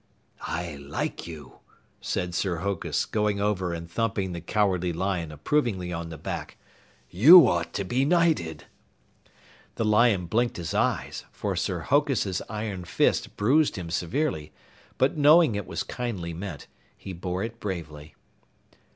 "I like you," said Sir Hokus, going over and thumping the Cowardly Lion approvingly on the back. "You ought to be knighted!" The lion blinked his eyes, for Sir Hokus' iron fist bruised him severely, but knowing it was kindly meant, he bore it bravely.